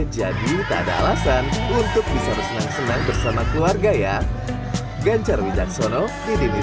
jadi tak ada alasan untuk bisa bersenang senang bersama keluarga ya ganjar widak sono di dini